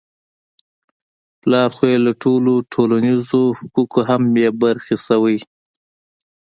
پلار خو يې له ټولو ټولنیزو حقوقو هم بې برخې شوی.